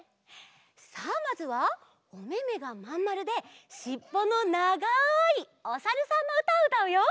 さあまずはおめめがまんまるでしっぽのながいおさるさんのうたをうたうよ！